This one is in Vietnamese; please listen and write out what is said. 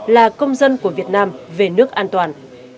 là công dân của việt nam về nước an toàn